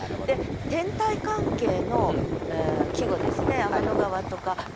天体関係の季語ですね「天の川」とか「月」。